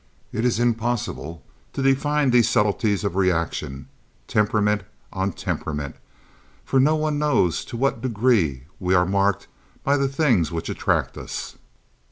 It is impossible to define these subtleties of reaction, temperament on temperament, for no one knows to what degree we are marked by the things which attract us.